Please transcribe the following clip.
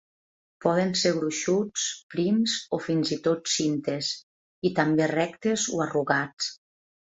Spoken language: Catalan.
Poden ser gruixuts, prims o fins i tot cintes, i també rectes o arrugats.